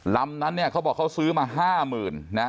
ลำนั้นเขาบอกเขาซื้อมา๕๐๐๐๐บาท